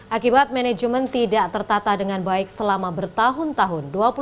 akibat manajemen tidak tertata dengan baik selama bertahun tahun